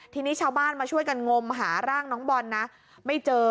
ทีนี้ชาวบ้านมาช่วยกันงมหาร่างน้องบอลนะไม่เจอ